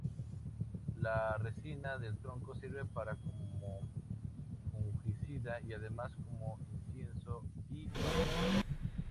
La resina del tronco sirve para como fungicida y además como incienso y barniz.